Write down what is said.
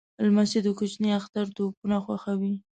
لمسی د کوچني اختر توپونه خوښوي.